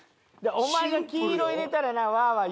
お前が黄色入れたらなワー！